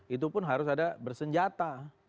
itu pun harus ada bersenjata